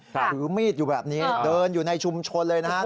ถือมีดอยู่แบบนี้เดินอยู่ในชุมชนเลยนะครับ